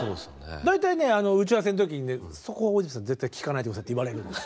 大体ね打ち合わせの時にねそこは大泉さん絶対聞かないで下さいって言われるんですよ。